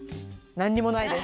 何にもないです。